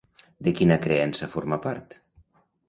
De quina creença forma part?